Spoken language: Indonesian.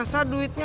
kakak pur kakaknya